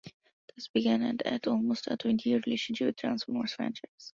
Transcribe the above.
Thus began an almost a twenty-year relationship with the "Transformers" franchise.